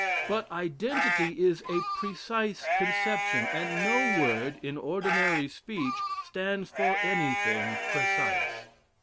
But identity is a precise conception, and no word, in ordinary speech, stands for anything precise.